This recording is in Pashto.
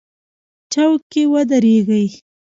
چوک کې ودرېږئ